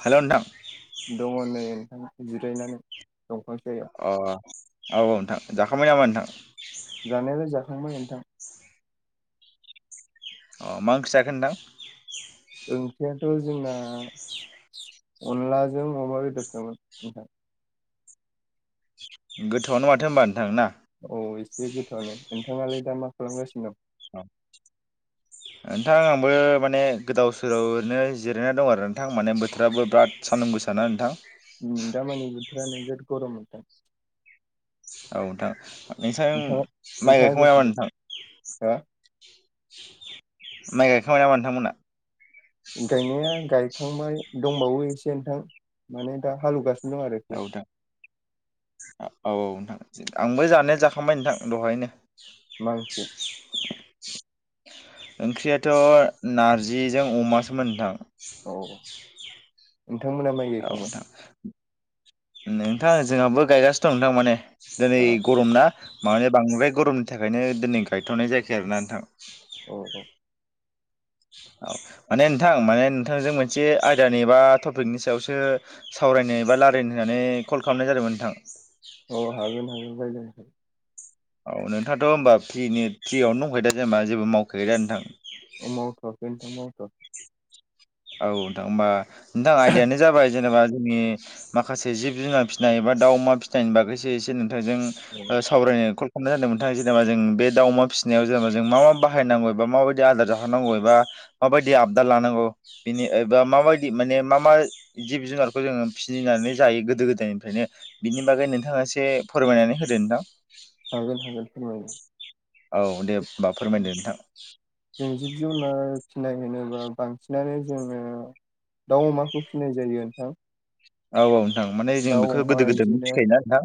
हेल' नोंथां दङ' नै ओंखां जिरायनानै दंफां सायाव अ औ औ नोंथां जाखांबाय नामा नोंथां? जानायाल जाखांबाय नोंथां अ मा ओंख्रि जाखो नोंथां ओंख्रियाथ' जोंना अनलाजों अमा बेदरसोमोन नोंथां गोथोआवनो माथो होनबा नोंथां ना औ एसे गोथावआनो नोंथाङालाय दा मा खालामगासिनो दं? औ नोंथां आंबो माने गोदाव सोरावनो जिरायना दं आरो नोंथां माने बोथोराबो बिराद सानदुं गोसाना नोंथां दामानि बोथोरानो जोद गरम मोनदों औ नोंथां नोंसां नोंथाङा माइ गायखांबाय नामा नोंथां हो माइ गथायखांबाय नामा नोंथांमोना गायनाया गायखांबाय दंबावो एसे नोंथां माने दा हालवगासिनो औथां औ औ नोंथां आंबो जानाया जाखांबाय नोंथां दहायनो मा ओंख्रि ओंख्रियाथ' नारजिजों अमासोमोन नोंथां औ नोंथांमोना लाय औ नोंथां नोंथां जोंहाबो गायगासिनो दं नोंथां माने दिनै आ गरम ना मानि बांद्राय गरमनि थाखायनो दिनै गायथ'नाय जायाखै आरोना नोंथां औ औ औ माने नोंथां माने नोंथांजों मोनसे आयदानि बा टपिकनि सायावसो सावरायनो बा रायल्लायनो होननानै कल खालामनाय जादोंमोन नोंथां अ हागोन हागोन रायलायनोखै औ नोंथाङाथ' होनबा फ्रियावनो दंखायो दा जेनेबा जेबो मावखायाखै दा नोंथां अ मावख'वाखै नोंथां मावथवाखै औ नोंथां होमबा नोंथां आयदायानो जाबाय जेनेबा जोंनि माखासे जिब जुनार फिसिनाय एबा दा अमा फिसिनायनि बागैसो एसे नोंथांजों औ सावरायनो कल खालाम जादोंमोनाङ जेनेबा जों बे दाउ अमा फसिनायाव जेनेबा जों मा मा बायांगौ एबा माबायदि आदार जाहानांगौ एबा माबायदि आबदार लानांगौ बिनि एबा माबायदि माने मा मा जिब जुनारखौ जोङो फिनिनानै जायो गोदो गोदायनिफ्रायनो बिनि बागै नोंथाङा एसे फोरमायनानै होदो नोंथां हागोन हागोन फोरमायोन औ दे होमबा फोरमायदो नोंथां जों जिब जुनार फिनाय होनोबा बांसिनानो जोङो दाउ अमाखौ फिसिनाय जायो नोंथां औ औ नोंथां माने जों दाउ बेखौ अमा गोदो गोदायनो बिदिनो फिखायोना नोंथां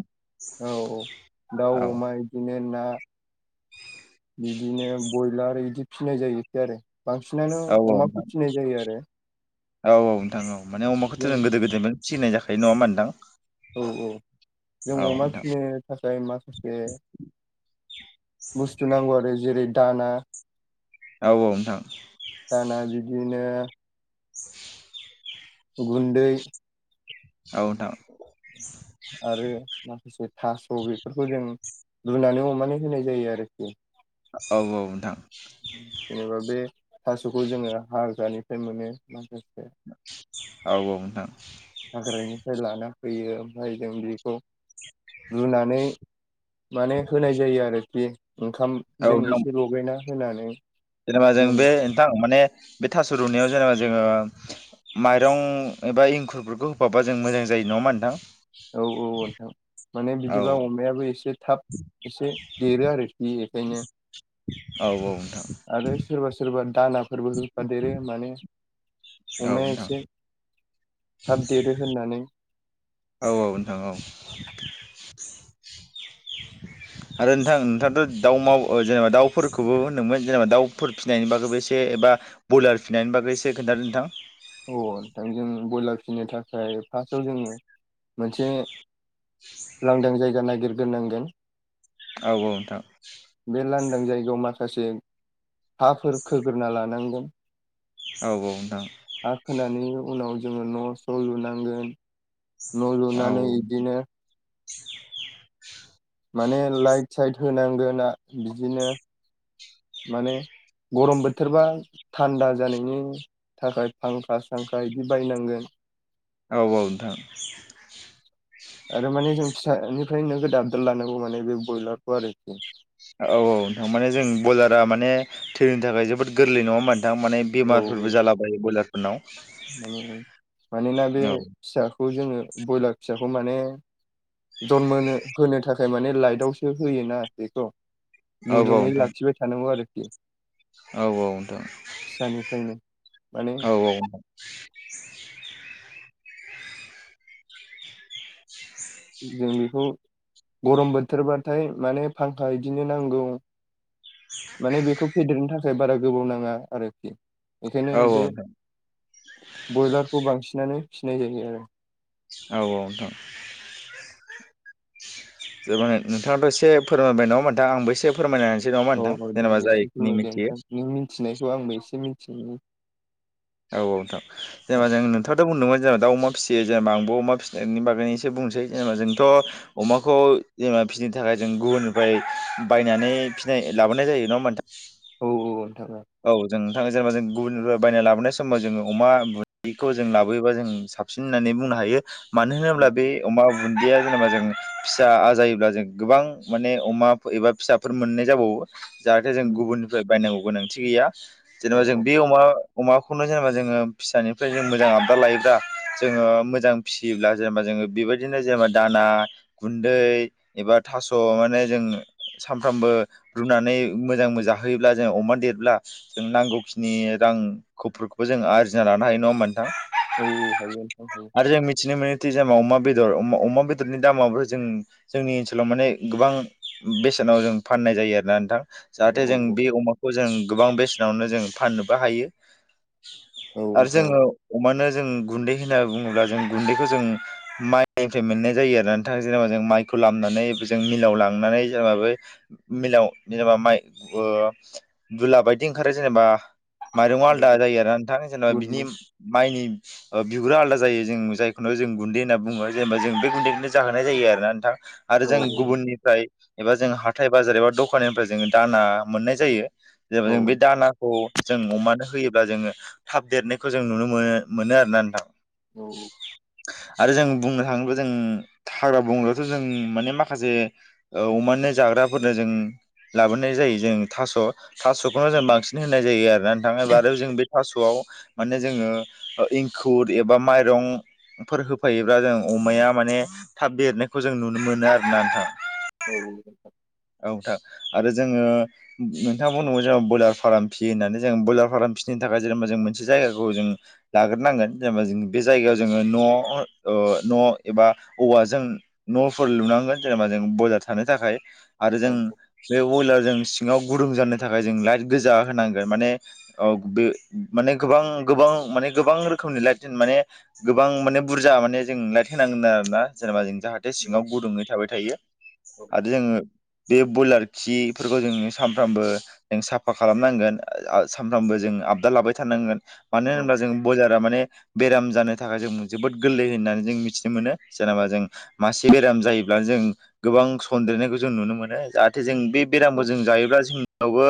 औ औ दाउ औ औ अमा बिदिनो ना बिदिनो बयलार बिदि फिनाय जायोखो आरो बांसिनानो औ नोंथां अमाखौ फिनाय जायो आरो औ औ नोंथां औ माने अमाखौथ' जों गोदो गोदाय सिसिनाय जाखायो नङा होमा नोंथां औ औ जों औ अमा नोंथां फिसिनो थाखाय माखासे बुस्थु नांगौ आरो जेरै दाना औ औ नोंथां दाना बिदिनो [unintelligible] गुन्दै औथां आरो माखासे थास' बेफोरखौ जों रुनानै अमनानै होनाय जायो आरोखि औ औ नोंथां जेनेबा बे थास'खौ जोङो हार्रानिफ्राय मोनो माखासे औ औाव नथां हाग्रानिफ्राय लाना फैयो ओमफ्राय जों बेखौ रुनानै माने होनाय जायो आरोखि औ ओंखामजों नोंथां एसे लगायना होनानै जेनेबा जों बे नोंथां माने बे थास' रुनायाव जेनेबा जोङो माइरं एबा एंखुरफोरखौ होफाबा जों मोजां जायो नङामा नोंथां औ औ नोंथां माने औ बिदिबा अमायाबो एसे थाब एसे देरो आरोखि बेखायनो औ नोंथां आरो सोरबा - सोरबा दानाफोरबो होफादेरो मानो औ नोंथां। थाब देरो होननानै औ - औ नोंथां औ। [unintelligible] आरो नोंथां नोंथाङाथ' दाउ माव जेनेबा दाउफोरखौबो होनदोंमोन जेनेबा दाउफोर फिसिनायनि बागैबो एसे एबा ब्यलार फिसानायनि बागै इसे खोन्थादो नोंथां। अ नोंथां जों ब्रयलार फिसिनो थाखाय फार्स्टआव जोङो मोनसे लांदां जायगा नागिरग्रोनांगोन। औ - औ नोंथां। बे लांदां जायगायाव माखासे हाफोर खोग्रोना लानांगोन। औ - औ नोंथां। हा खोनानै उनाव जोङो न' स' लुनांगोन। न' औ लुनानै इदिनो माने लाइट साइट होनांगो ना बिदिनो माने गरम बोथोरबा थान्दा जानायनि थाखाय फांखा सांखा इदि बायनांगोन। औ - औ नोंथां। आरो माने जों फिसानिफ्राय नोगोद आबदार लानांगौ माने बे बयलारखौ आरोखि। औ - औ नोंथां माने जों बयलारा माने थैनि थाखाय जोबोद गोरलै नङामोन नोंथां माने औ - औ बेमारफोरबो ओम जालाबायो बयलारफोरनाव - ओम मानोना बे फिसाखौ जोङो बयलार फिसाखौ माने जनमोनो होनो थाखाय माने लाइटआवसो होयोना बेखौ औ औ गुदुङै नोंथां लाखिबाय थानांगौ आरोखि औ औ नोंथां फिसानिफ्रायनो माने औ - औ। जों बेखौ गरम बोथोरबाथाय माने फांखा इदिनो नांगौ। माने बेखौ फेदेरनो थाखाय बारा गोबाव नाङा आरोखि बेखायनो औ बे नोंथां बयलारखौ बांसिनानो फिनाय जायो आरो। औ - औ नोंथां। जोबाय नोंथाङाथ' एसे फोरमायबाय नङा नोंथां आंबो इसे फोरमायनाहोनोसै नङा औ नोंथां औ दे जेनेबा एसे जायखिनि फोरमायदो नोंथां मिथियो। नों मिथिनायखौ आंबो इसे मिनथियो। औ -औ नोंथां। औ जेनेब जों नोंथाङाथ' बुंदोंमोन जेनेबा दाव, अमा फिसियो जेनेब आंबो अमा फिसिनायनि बागैनो इसे बुंसै जेनेबा जोंथ' अमाखौ जेनेबा फिसिनो थाखाय जों गुबुननिफ्राय बायनानै फिसिनाय लाबोनाय जायो नङा होमबा नोंथां। औ - औ नोंथाङा ओ। औ जों नोंथां जेनेबा जों गुबुननिफ्राय बायना लाबोनाय समाव जोङो अमा बुन्दिखौ जों लाबोयोबा जों साफ सिन होननानै बुंनो हायो। मानो औ होनोब्ला बे अमा बुन्दैया जेनेबा जों फिसा आजायोब्ला जों गोबां माने अमा एबा फिसाफोर मोननाय जाबावो। जाहाथे जों गुबुननिफ्राय बायनांगौ गोनांथि गैया। जेनेबा जों बे अमा अमाखौनो जेनेबा जोङो फिसानिफ्राय जों मोजां आबदार लायोब्ला जोङो मोजां फिसियोब्ला जेनेबा जोङो बेबायदिनो जेनेबा दाना गुन्दै एबा थास' माने जों सानफ्रामबो रुनानै मोजां मोजां जाहोयोब्ला जों अमा देर ब्ला जों नांगौखिनि रां खौफोरखौबो जों आरजिना लानो हायो नङा होमबा नोंथां। औ - औ हायो नोंथां हायो। आरो जों मिथिनो मोनो दि जे मा अमा बेदर अमा बेदरनि दामाबो जों जोंनि ओनसोलाव माने गोबां बेसेनाव जों फाननाय जायो आरोना नोंथां। औ जाहाथे जों बे अमाखौ जों गोबां बेसेनावनो जों फाननोबो हायो। औ आरो नोंथां औ जोङो अमानो जों गुन्दै होनना बुङोब्ला जों गुन्दैखौ जों माइनिफ्राय मोननाय जायो आरोना नोंथां जेनेबा जों माइखौ लामनानै जों मिलाव लांनानै जेनेबा बे मिलाव जेनेबा माइ ओ दुला बायदि ओंखारो जेनेबा माइरंआव औ आलदा औ जायो आरो नोंथां जेनेबा बिनि गुनदै माइनि ओ बिगुरा आलादा जायो जों जायखौनो जों गुन्दै होनना बुङो जेनेबा जों बे गुन्दैखौनो जाहोनाय जायो आरो ना नोंथां। आरो औ औ जों गुबुननिफ्राय एबा जों हाथाय बाजार एबा दखाननिफ्राय जोङो दाना मोननाय जायो। जे औ जों बे दाना खौ जों अमानो होयोब्ला जोङो थाब देरनायखौ जों नुनो मोन मोनो आरोना नोंथां। औ औ। आरो जों बुंनो थाङोब्ला जों हाग्रा बंग्रायावथ' जों माने माखासे औ अमानो जाग्राफोरनो जों लाबोनाय जायो जों थास' थास'खौनो जों बांसिन होनाय जायो आरो नोंथां जेनबा आरो जों बे थास'आव माने ओ जोङो एंखुर एबा माइरं फोर होफायोब्ला जों अमाया माने थाब देरनायखौ जों नुनो मोनो आरोना नोंथां। औ औ। औ नोंथां आरो जोङो नोंथांङा बुंदोंमोन जेनेबा ब्रयलार फार्म फि होननानै जों ब्रयलार फार्म फिसिनो थाखाय जेनेबा जों मोनसे जायगाखौ जों लाग्रोनांगोन जेनेबा जों बे जायगायाव जोङो न' ओ न' एबा औवाजों न'फोर लुनांगोन जेनेबा जों ब्रयलारथानो थाखाय आरो जों औ बे बयलार जों सिङाव गुदुं जानो थाखाय जों लाइट गोजा होनांगोन माने अगो माने गोबां गोबां माने गोबां रोखोमनि लाइट दिनमाने गोबां माने बुरजा माने जों लाइट होनांगोन आरो ना जेनेबा जों जाहा थे सिङाव गुदुंङै थाबाय थायो औ आरो जोङो बे ब्रयलार खिफोरखौ जोङो सानफ्रामबो जों साफा खालामनांगोन सानफ्रामबो जों आबदा लाबाय थानांगोन मानो औ होनोबब्ला जों ब्रयलार आ माने बेराम जानो थाखाय जों जोबोद गोरलै होननानै जों मिथिनो मोनो जेनेबा जों मासे बेराम जायोब्ला जों गोबां सन्देरनायखौ जों नुनो मोनो जाहाथे जों बे बेरामखौ औ जों जायोब्ला जोंनियावबो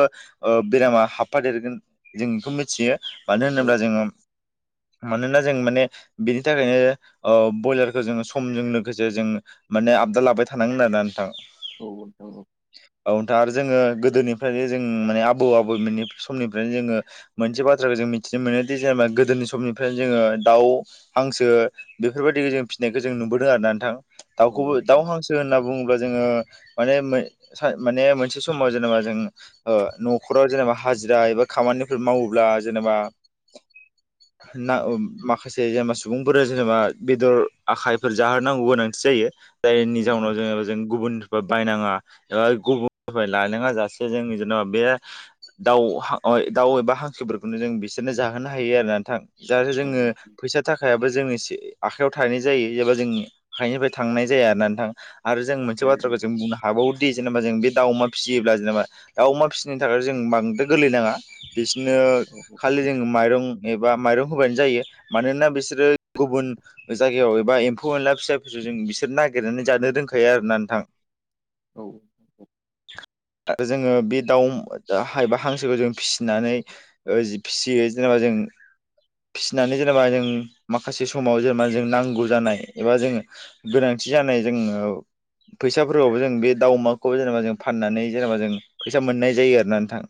ओ बेरामा हाबफादेरगोन जों बेखौ मिथियो। मानो होनोब्ला जोङो मानोना जों माने बेनि थाखायनो ओ ब्रयलारखौ जोङो समजों लोगोसे जों माने आबदे लाबाय थानांगोन आरोना नोंथां। औ नोंथां औ। औ नोंथां आरो जोङो गोदोनिफ्रायनो जों माने आबौ आबौमोननि समनिफ्रायनो जोङो मोनसे बाथ्राखौ जों मिथिनो मोनोदि जेनेबा गोदोनि समनिफ्रायनो जोङो दाउ हांसो बेफोरबायदिखौ जों फिसिनायखौ जों नुबोदों आर नोंथां औ दाउखौबो दाउ हांसो होनना बुङोब्ला जोङो माने माने मोनसे समाव जेनेबा जों ओ न'खराव जेनेबा हाजिरा एबा खामानिफोर मावोब्ला जेनेबा [inaudible] ना माखासे जेनेबा सुबुंफोरा जेनेबा बेदर आखाइफोर जाहोनोनांगौ गोनांथि जायो। औ जायनि जाउनाव जोङो जों गुबुननिफ्राय बायनाङा एबा गुबुननिफ्राय लायनाङा जासे जों जेन'बा बे दाउ हा अ दाउ एबा हांखोफोरखौनो जों बिसोरनो जाहोनो हायो आरो नोंथां। जाहाथे जोङो फैसा थाखायाबो जोंनि एसे आखाइयाव थाहैनाय जायो एबा जोंनि आखाइनिफ्राय थांनाय जाया आरो नोंथां। आरो जों मोनसे बाथ्राखौ जों बुंनो हाबावोदि जेनेबा जों बे दाव अमा फिसियोब्ला जेनेबा दाउ अमा फिसिनो थाखाय जों बांद्राय गोरलैनाङा बिसोरनो दा औ औ खालि जोङो माइरं एबा माइरं होबानो जायो मानोना बिसोरो गुबुन जायगायाव एबा एम्फौ एनला फिसा फिसौ जों बिसोर नागिरनानै जानो रोंखायो आरो ना नोंथां। औ। औ जोङो बे दाउ हाय बा हांसोखौ जों फिसिनानै ओ जि फिसियो जेनेबा जों फिसिनानै जेनेबा जों माखासे समाव जेनेबा जों नांगौ जानाय एबा जोङो गोनांथि जानाय जोङो फैसाफोरावबो जों बे दाउमाखौ जेनेबा जों फाननानै जेनेबा जों फै मोननाय जायो आरोोना नोंथां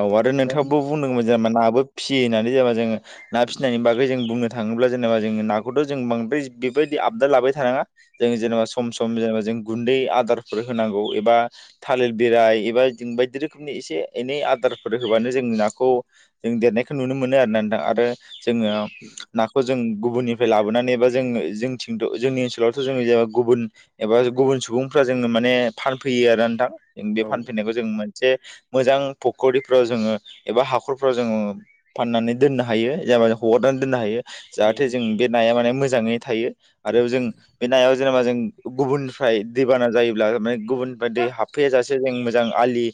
औ आरो दा नोंथाङा बुंदोंमोन जेनेबा नाबो फियो होननानै जेनबा जोङ ना फिसिनानै बे जों बुंनो थाङोब्ला जेनेबा जों नाखौथ' जों बांद्राय बेबायदि आबदा लाबाय थानाङा जों जेनेबा सम सम जेनेबा जों गुन्दै आदारफोर होनांगौ एबा थालिर बिरराय एबा जों बायदि रोखोमनि एसे एनै आदारफोर होबानो जों नाखौ जों देरनायखौ नुनो मोनो आरो ना नोंथां आरो जोङो ना खौ जों गुबुननिफ्राय लाबोनानै बा जों जोंनि ओनसोलावथ' जोङो गुबुन एबा गुबुन सुबुंफ्रा जोंङो माने फानफैयो आरो नोंथां जों बे फानफैनायखौ जों मोनसे मोजां फुख्रिफ्राव जोङो एबा हाखरफ्राव जोङो फाननानै दोननो हायो जेना हगारनानै दोननो हायो जाहाथे जों बे नाया माने मोजाङै थायो आरो जों बे नायाव जेनेबा जों गुबुननिफ्राय दैबाना जायोब्ला माने गुबुननिफ्राय दै हाबफैया जासे मोजां आलि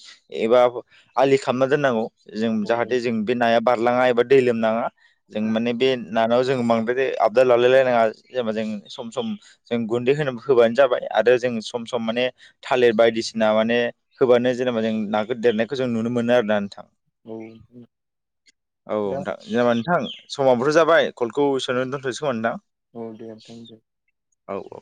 खालामना दोननांगौ जों जाहाथे जों बे नाया बार बारलांङा दै लोमनाङा जों माने बे नानाव बांद्राय दा लालायलायनाङा जेनबा जों सम सम जों गुन्दै होबानो जाबाय आरो जों सम सम माने थालिर बायदिसिना माने होबानो जेनेबा जों नागिर देरनायखौ जों नुनो मोनो आरोना नोंथां औ दा जेनाबा नोंथां समाव बोथ' जाबाय कलखौ सोननो दोनथ'सै खोमा नोंथां औ दे थेंक इउ औ औ